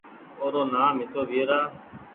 او رو نآم هتو ويرا